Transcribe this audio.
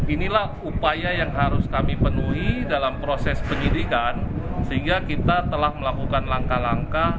inilah upaya yang harus kami penuhi dalam proses penyidikan sehingga kita telah melakukan langkah langkah